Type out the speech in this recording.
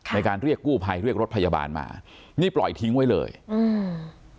ในการเรียกกู้ภัยเรียกรถพยาบาลมานี่ปล่อยทิ้งไว้เลยอืม